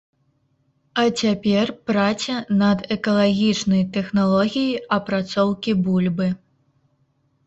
А цяпер праце над экалагічнай тэхналогіяй апрацоўкі бульбы.